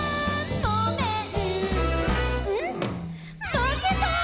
まけた」